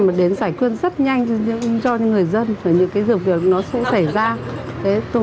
mà đến giải quyết rất nhanh cho những người dân và những cái vụ việc nó sẽ xảy ra